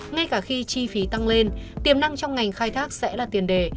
ngay cả khi chi phí tăng lên tiềm năng trong ngành khai thác sẽ là tiền đề